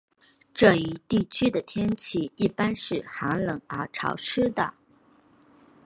这一地区的天气一般是寒冷而潮湿的。